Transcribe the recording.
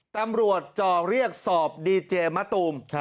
ตำรวจจอกเรียกสอบดีเจมัตตูม